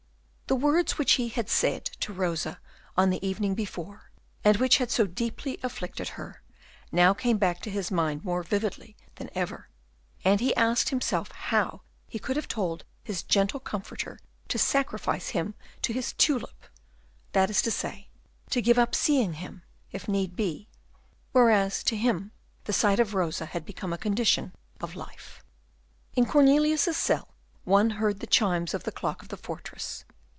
The words which he had said to Rosa on the evening before and which had so deeply afflicted her, now came back to his mind more vividly than ever, and he asked himself how he could have told his gentle comforter to sacrifice him to his tulip, that is to say, to give up seeing him, if need be, whereas to him the sight of Rosa had become a condition of life. In Cornelius's cell one heard the chimes of the clock of the fortress.